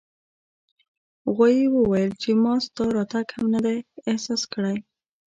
غوایي وویل چې ما ستا راتګ هم نه دی احساس کړی.